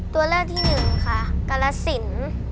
ตัวเลือกที่หนึ่งค่ะกรสิน